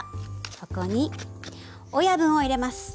そこに親分を入れます。